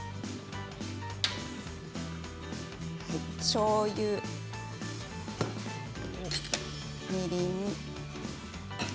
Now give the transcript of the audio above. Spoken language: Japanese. しょうゆ、みりん。